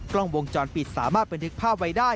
กล้องวงจรปิดสามารถบันทึกภาพไว้ได้